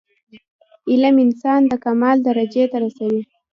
علم انسان د کمال درجي ته رسوي.